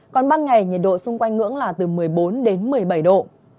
còn ban ngày nhiệt độ xung quanh ngưỡng là từ một mươi bốn đến một mươi bảy độ